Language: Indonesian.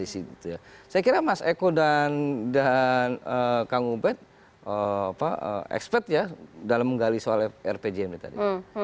saya kira mas eko dan kang ubed expert ya dalam menggali soal rpjmd tadi